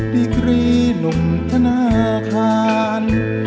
ดีกรีหนุ่มธนาคาร